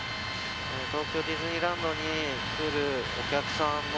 東京ディズニーランドに来るお客さんも